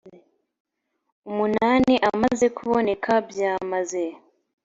umunani amaze kuboneka byamaze